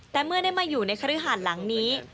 แต่เมื่อได้มาอยู่ในคฤหาสหลังนี้